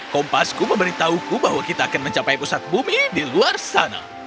kompasku memberitahuku bahwa kita akan mencapai pusat bumi di luar sana